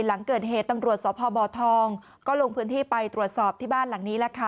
หลังเกิดเหตุตำรวจสพบทองก็ลงพื้นที่ไปตรวจสอบที่บ้านหลังนี้แหละค่ะ